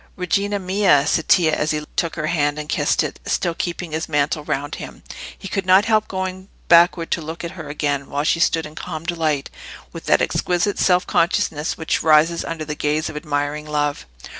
"Regina mia!" said Tito, as he took her hand and kissed it, still keeping his mantle round him. He could not help going backward to look at her again, while she stood in calm delight, with that exquisite self consciousness which rises under the gaze of admiring love.